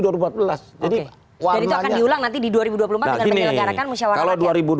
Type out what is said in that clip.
jadi itu akan diulang nanti di dua ribu dua puluh empat dengan penyelenggarakan musyawarat rakyat